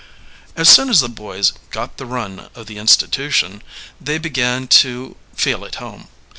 As soon as the boys "got the run" of the institution they began to feel at home.